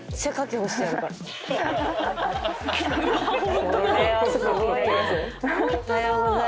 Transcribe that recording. おはようございます。